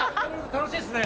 楽しいっすね。